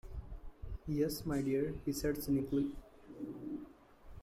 Yes my dear, he said cynically.